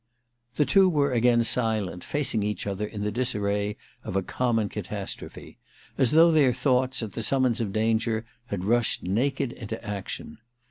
The two were agaun silent, facing each other in the disarray of a common catastrophe — as though their thoughts, at the summons of danger, had rushed naked into action.